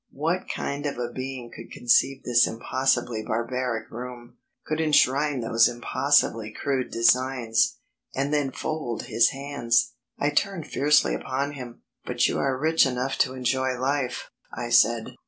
What kind of a being could conceive this impossibly barbaric room, could enshrine those impossibly crude designs, and then fold his hands? I turned fiercely upon him. "But you are rich enough to enjoy life," I said.